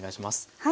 はい。